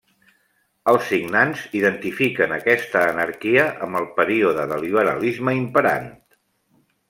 Els signants identifiquen aquesta anarquia amb el període de liberalisme imperant.